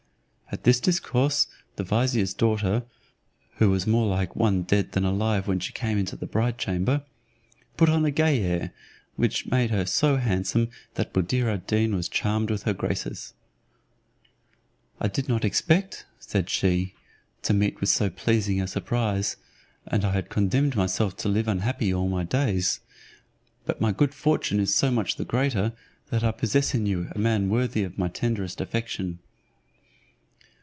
At this discourse the vizier's daughter (who was more like one dead than alive when she came into the bride chamber) put on a gay air, which made her so handsome, that Buddir ad Deen was charmed with her graces. "I did not expect," said she, "to meet with so pleasing a surprise; and I had condemned myself to live unhappy all my days. But my good fortune is so much the greater, that I possess in you a man worthy of my tenderest affection."